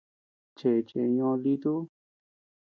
Chéche ñóo lítu ú.